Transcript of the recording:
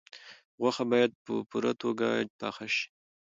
غوښه باید په پوره توګه پاخه شي.